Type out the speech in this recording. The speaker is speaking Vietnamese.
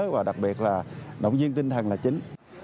và đặc biệt là động viên tinh thần là chính